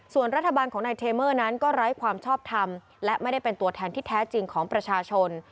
ส่วนรัฐบาลของนายเทเมอร์นั้นก็ไร้ความชอบทำและไม่ได้เป็นตัวแทนที่แท้จริงของประชาชน